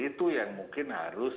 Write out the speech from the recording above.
itu yang mungkin harus